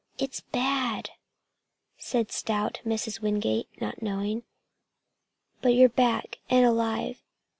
"It's bad!" said stout Mrs. Wingate, not knowing. "But you're back and alive.